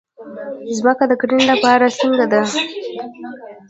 ځمکه د کرنې لپاره څنګه ده؟